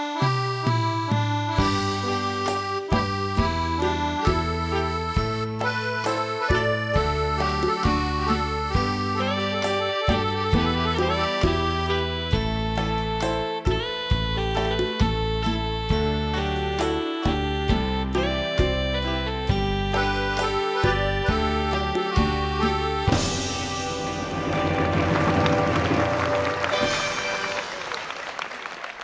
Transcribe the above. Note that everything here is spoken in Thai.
ขอบคุณครับ